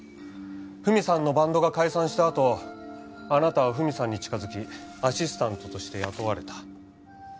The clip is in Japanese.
文さんのバンドが解散したあとあなたは文さんに近づきアシスタントとして雇われた。